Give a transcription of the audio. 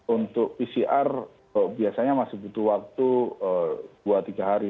untuk pcr biasanya masih butuh waktu dua tiga hari